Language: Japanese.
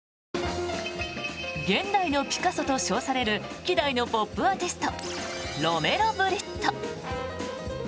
現代のピカソと称される希代のポップアーティストロメロ・ブリット。